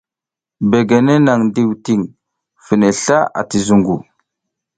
Begene nang ndiwding fine sla ati zungu.